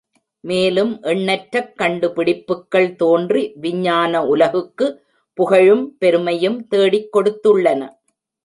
மேலும் எண்ணற்றக்கண்டு பிடிப்புக்கள் தோன்றி விஞ்ஞான உலகுக்கு புகழும், பெருமையும் தேடிக் கொடுத்துள்ளன.